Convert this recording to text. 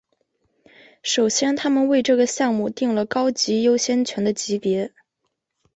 首先他们为这个项目订了高级优先权的级别。